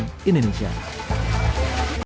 tim liputan cnn indonesia